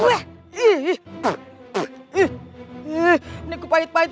aku akan menangkan gusti ratu